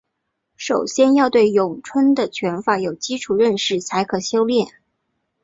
首先要对咏春的拳法有基础认识才可修练。